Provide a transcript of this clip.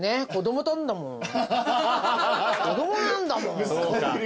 子供なんだもん。